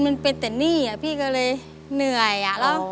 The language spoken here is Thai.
มันเป็นแต่หนี้พี่ก็เลยเหนื่อย